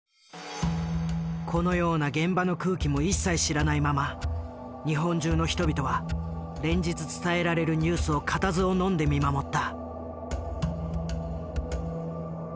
このような現場の空気も一切知らないまま日本中の人々は連日伝えられるニュースを固唾をのんで見守った。